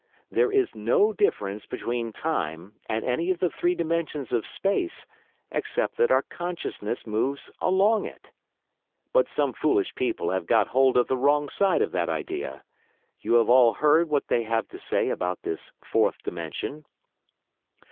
_There is no difference between Time and any of the three dimensions of Space except that our consciousness moves along it_. But some foolish people have got hold of the wrong side of that idea. You have all heard what they have to say about this Fourth Dimension?"